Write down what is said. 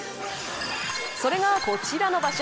それが、こちらの場所。